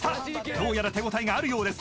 どうやら手応えがあるようです］